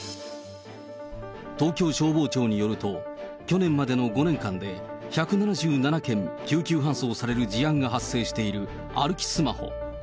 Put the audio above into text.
東京消防庁によると、去年までの５年間で、１７７件、救急搬送される事案が発生している歩きスマホ。